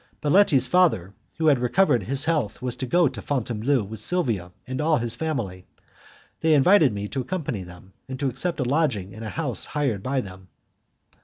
Baletti's father, who had recovered his health, was to go to Fontainebleau with Silvia and all his family. They invited me to accompany them, and to accept a lodging in a house hired by them.